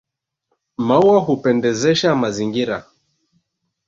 Maua hupendezesha mazingira